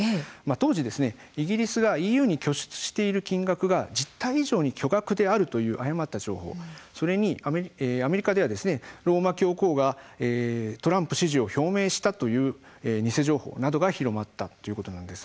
当時イギリスがＥＵに拠出している金額が実態以上に巨額であるという誤った情報、それにアメリカではローマ教皇がトランプ支持を表明したという偽情報などが広まったということなんです。